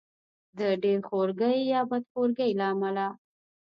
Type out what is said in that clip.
د ډېر خورګۍ یا بد خورګۍ له امله.